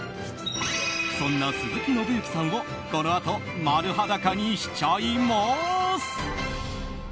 そんな鈴木伸之さんを、このあと丸裸にしちゃいます！